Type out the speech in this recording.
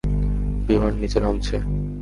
বিমান নিচে নামছে।